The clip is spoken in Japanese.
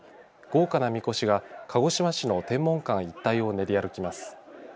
豪華なみこしが鹿児島市の天文館一帯を練り歩きます。